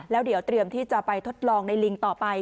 แล้วเดี๋ยวเตรียมที่จะไปทดลองในลิงต่อไป